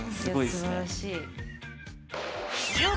すばらしい。